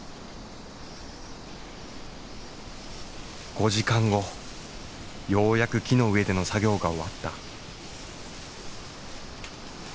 ５時間後ようやく木の上での作業が終わった。